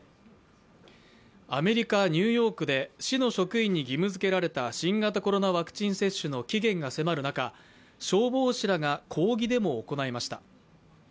アメリカ・ニューヨークで市の職員に義務づけられた新型コロナワクチン接種の期限が迫る中、消防士らが抗議デモを行いました。